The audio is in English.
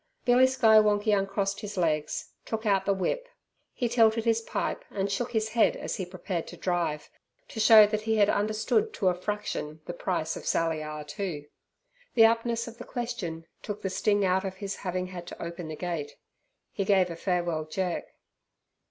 Billy Skywonkie uncrossed his legs, took out the whip. He tilted his pipe and shook his head as he prepared to drive, to show that he understood to a fraction the price of Sally Ah Too. The aptness of the question took the sting out of his having had to open the gate. He gave a farewell jerk.